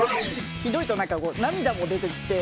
ひどいと涙も出てきて。